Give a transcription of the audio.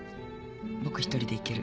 僕一人で行ける。